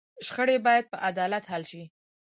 شخړې باید په عدالت حل شي.